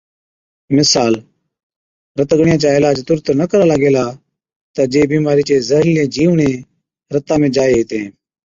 مثال، رت ڳڙِيان چا علاج تُرت نہ ڪرالا گيلا تہ جي بِيمارِي زهرِيلي جِيوڙين رتا ۾ جائي هِتين